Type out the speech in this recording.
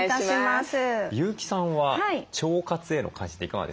優木さんは腸活への関心っていかがですか？